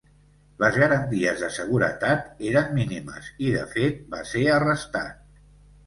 Les garanties de seguretat eren mínimes i, de fet, va ser arrestat.